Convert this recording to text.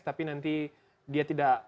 tapi nanti dia tidak